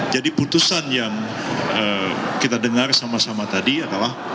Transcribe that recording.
jadi putusan yang kita dengar sama sama tadi adalah